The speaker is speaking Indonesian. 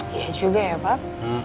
iya juga ya pak